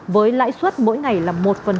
với lãi suất mỗi ngày là một